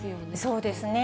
そうですね。